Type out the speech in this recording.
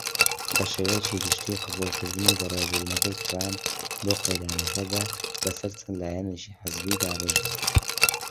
بەشێوەیەکی گشتی قبوڵکردنی بەڕێوبردنەکەی تڕامپ بۆ قەیرانەکەدا بە سەر چەند لایەنێکی حزبی دابەش بووە.